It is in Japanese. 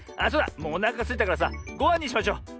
もうおなかすいたからさごはんにしましょう。